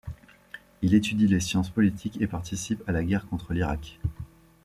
Il étudie les sciences politiques et participe à la guerre contre l'Irak.